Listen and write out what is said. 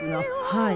はい。